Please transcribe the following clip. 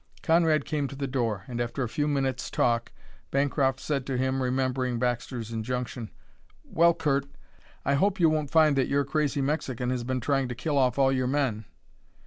Conrad came to the door, and after a few minutes' talk Bancroft said to him, remembering Baxter's injunction, "Well, Curt, I hope you won't find that your crazy Mexican has been trying to kill off all your men."